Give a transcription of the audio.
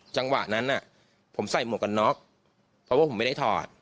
จังหวะนั้นผมใส่หมวกกันน็อกเพราะว่าผมไม่ได้ถอด